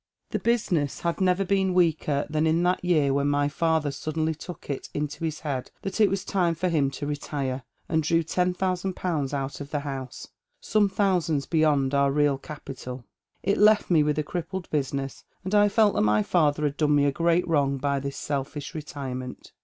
" The business had never been weaker than in that year when my father suddenly took it into his head that it was time for him to retire, and drew ten thousand pounds out of the house, some thousands beyond our real capital. It left me with a crippled business, and I felt that my father had done me a great wrong by this selfish retirement.